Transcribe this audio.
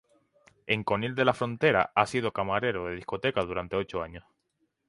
En Conil de la Frontera ha sido camarero de discoteca durante ocho años.